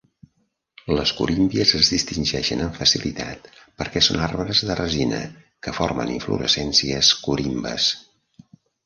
Les corymbias es distingeixen amb facilitat perquè són "arbres de resina" que formen inflorescències corimbes.